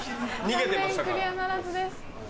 残念クリアならずです。